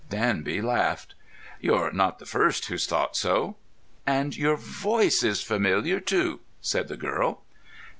Danby laughed. "You're not the first who's thought so." "And your voice is familiar, too," said the girl.